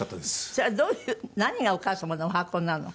それはどういう何がお母様のおはこなの？